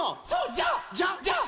じゃじゃ。